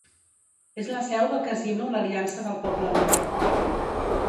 És la seu del Casino l'Aliança del Poblenou.